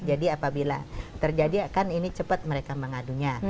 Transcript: jadi apabila terjadi akan ini cepat mereka mengadunya